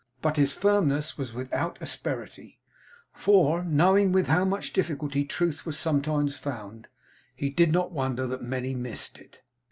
But his firmness was without asperity; for, knowing with how much difficulty truth was sometimes found, he did not wonder that many missed it.